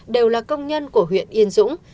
đều là công nhân của huyện yên dũng